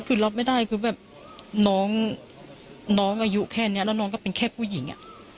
คือรับไม่ได้คือแบบน้องอายุแค่นี้แล้วน้องก็เป็นแค่ผู้หญิง